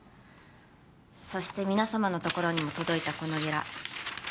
そして皆様のところにも届いたこのゲラ